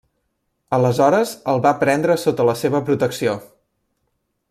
Aleshores, el va prendre sota la seva protecció.